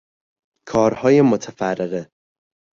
کارهای متفرقه